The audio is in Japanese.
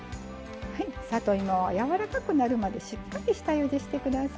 里芋はやわらかくなるまでしっかり下ゆでして下さい。